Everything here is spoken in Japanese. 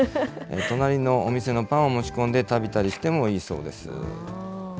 隣のお店のパンを持ち込んで食べたりしてもいいそうです。